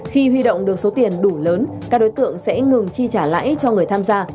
khi huy động được số tiền đủ lớn các đối tượng sẽ ngừng chi trả lãi cho người tham gia